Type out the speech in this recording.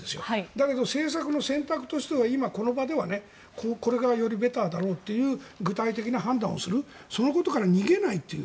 だけど政策の選択としては今、この場ではこれがよりベターだろうという具体的な判断をすることから逃げないという。